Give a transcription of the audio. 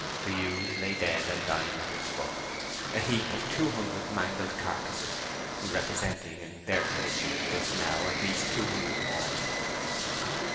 The ewes lay dead and dying at its foot—a heap of two hundred mangled carcasses, representing in their condition just now at least two hundred more.